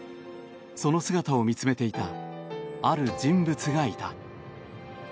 その姿を見つめていたある人物がいた。